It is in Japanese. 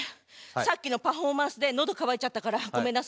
さっきのパフォーマンスで喉渇いちゃったからごめんなさいね。